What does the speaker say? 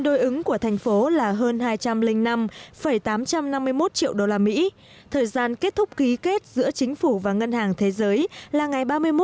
điều chỉnh là bốn trăm sáu mươi một trăm chín mươi hai triệu đô la mỹ tương đương gần một mươi tỷ đồng